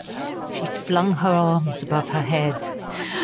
she flung her arms above her head.